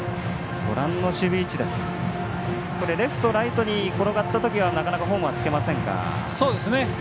レフト、ライトに転がったときはなかなかホームはつけませんか。